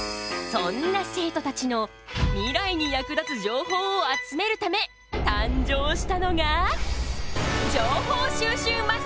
そんな生徒たちのミライに役立つ情報を集めるため誕生したのが！